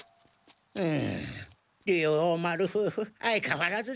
ふむ竜王丸夫婦相変わらずじゃ。